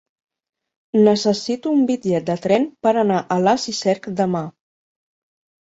Necessito un bitllet de tren per anar a Alàs i Cerc demà.